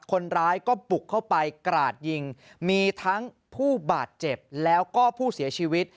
คนร้ายก็บุกเข้าไปกราดยิงมีทั้งผู้บาดเจ็บแล้วก็ผู้เสียชีวิต